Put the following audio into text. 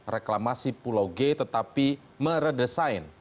reklamasi pulau g tetapi meredesain